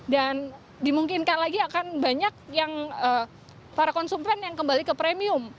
dan dimungkinkan lagi akan banyak yang para konsumen yang kembali ke premium